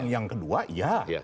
yang kedua ya